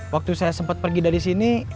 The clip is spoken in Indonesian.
waktu saya sempat pergi dari sini